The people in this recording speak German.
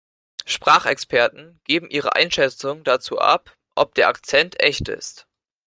Sprachexperten geben ihre Einschätzung dazu ab, ob der Akzent echt ist.